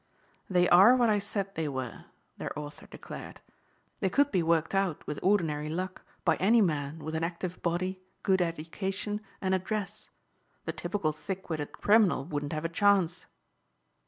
"They are what I said they were," their author declared. "They could be worked out, with ordinary luck, by any man with an active body, good education and address. The typical thick witted criminal wouldn't have a chance."